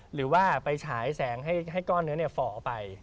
หรือว่าไปฉายแสงให้ก้อนเนื้อฝ่อไป